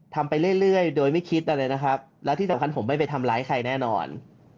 ไปเรื่อยโดยไม่คิดอะไรนะครับและที่สำคัญผมไม่ไปทำร้ายใครแน่นอน